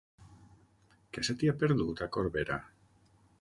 Què se t'hi ha perdut, a Corbera?